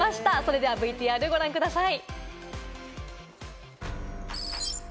それではＶＴＲ、ご覧ください。